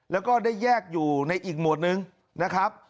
แล้วก็ได้แยกอยู่ในอีกหมวดนึงนะครับ